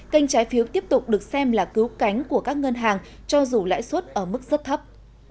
kênh trái phiếu tiếp tục được xem là cứu cánh của các ngân hàng cho dù lãi suất ở mức rất thấp